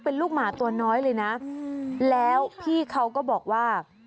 เป็นลูกหมาตัวน้อยเลยนะแล้วพี่เขาก็บอกว่า